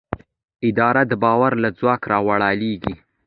اراده د باور له ځواک راولاړېږي.